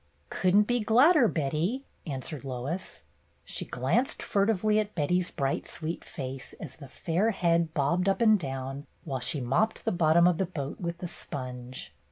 ''Couldn't be gladder, Betty," answered Lois. She glanced furtively at Betty's bright sweet face as the fair head bobbed up and down while she mopped the bottom of the boat with the sponge.